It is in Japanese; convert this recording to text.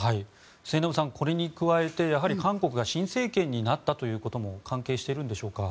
末延さん、これに加えてやはり韓国が新政権になったということも関係しているんでしょうか。